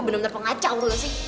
bener bener pengacau tuh gak sih